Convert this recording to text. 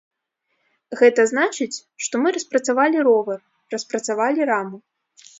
Гэта значыць, што мы распрацавалі ровар, распрацавалі раму.